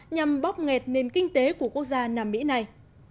nhằm bóp nghẹt nền kinh tế của quốc gia nam mỹ này